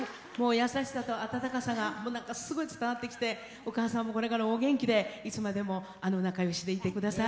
優しさとあたたかさがすごい伝わってきてお母さんもこれからお元気でいつまでも仲よくいてください。